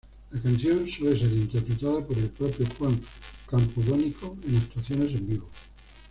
La canción suele ser interpretada por el propio Juan Campodónico en actuaciones en vivo.